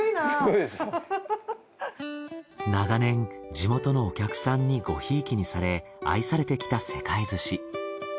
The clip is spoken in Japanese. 長年地元のお客さんにごひいきにされ愛されてきたせかい鮨。